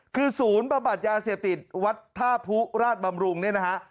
คือศูนย์บำบัดยาเสียบติดวัฒนธพุราชบำรุงนี่นะครับ